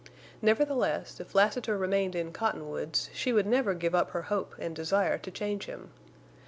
Nevertheless, if Lassiter remained in Cottonwoods she would never give up her hope and desire to change him.